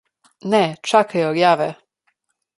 Ne, čakaj rjave.